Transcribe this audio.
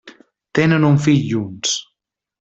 Tenen un fill junts.